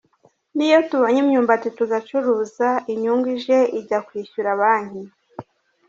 N’iyo tubonye imyumbati tugacuruza ,inyungu ije ijya kwishyura banki”.